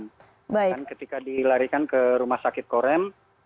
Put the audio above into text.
tiba tiba dia dilarikan ke rumah sakit korem